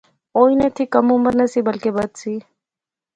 او انیں تھی کم عمر نہسی بلکہ بدھ سی